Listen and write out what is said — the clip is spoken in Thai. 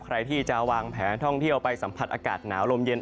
ใครที่จะวางแผนท่องเที่ยวไปสัมผัสอากาศหนาวลมเย็น